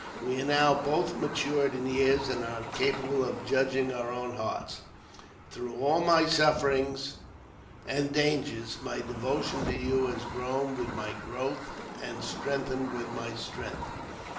We are now both matured in years, and are capable of judging our own hearts. Through all my sufferings and dangers, my devotion to you has grown with my growth and strengthened with my strength.